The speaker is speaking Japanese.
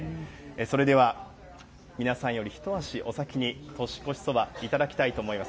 それでは、皆さんより一足お先に年越しそば、頂きたいと思います。